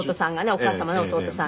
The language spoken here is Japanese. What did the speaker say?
お母様の弟さんが。